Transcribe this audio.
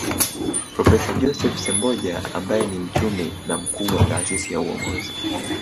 Profesa Joseph Semboja ambaye ni mchumi na mkuu wa Taasisi ya Uongozi